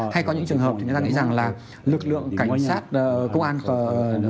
hay có những trường hợp chúng ta nghĩ rằng là lực lượng cảnh sát công an của cấp xã